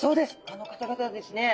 あの方々ですね。